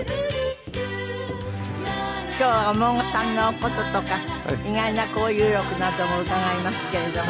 今日はお孫さんの事とか意外な交遊録なども伺いますけれども。